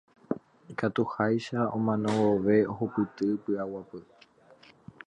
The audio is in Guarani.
Ikatuhag̃uáicha omano vove ohupyty py'aguapy.